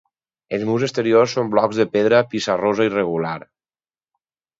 Els murs exteriors són blocs de pedra pissarrosa irregular.